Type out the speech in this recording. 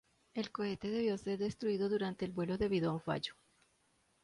El cohete debió ser destruido durante el vuelo debido a un fallo.